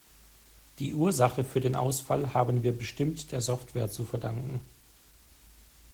Die Ursache für den Ausfall haben wir bestimmt der Software zu verdanken.